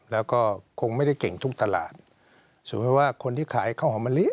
แล้วก็คงไม่ได้เก่งทุกตลาดสมมุติว่าคนที่ขายข้าวหอมมะลิ